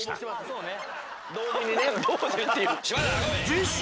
次週。